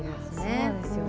そうですよね。